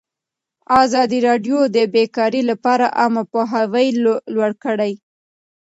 ازادي راډیو د بیکاري لپاره عامه پوهاوي لوړ کړی.